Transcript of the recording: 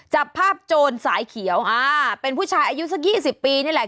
จับภาพโจรสายเขียวอ่าเป็นผู้ชายอายุสัก๒๐ปีนี่แหละ